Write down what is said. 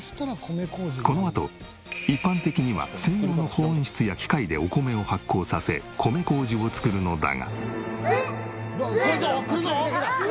このあと一般的には専用の保温室や機械でお米を発酵させ米麹を作るのだが。